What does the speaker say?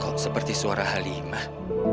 kok seperti suara halimah